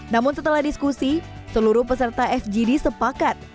namun setelah diskusi seluruh peserta fgd sepakat